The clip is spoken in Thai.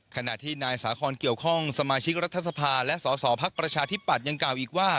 ขณะที่นายสาคอนเกี่ยวข้องสมาชิกรัฐสภาและสสพักประชาธิปัตย์ยังกล่าวอีกว่า